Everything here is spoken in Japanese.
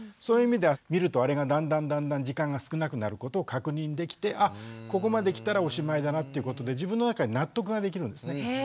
そういう意味では見るとあれがだんだんだんだん時間が少なくなることを確認できてあっここまできたらおしまいだなっていうことで自分の中に納得ができるんですね。